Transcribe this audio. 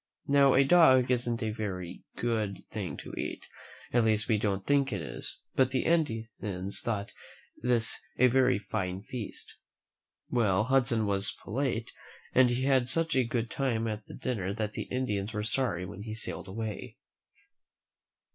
Now, a dog isn't a very good thing to eat, at least we don't think it is; but the Indians thought this a very fine feast. Well, Hudson was polite, and he had such a good time at the dinner that the Indians were sorry when he sailed away.